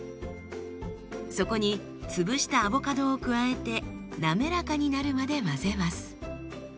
そこに潰したアボカドを加えて滑らかになるまで混ぜます。